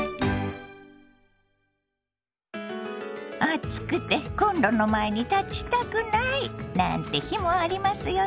「暑くてコンロの前に立ちたくない」なんて日もありますよね。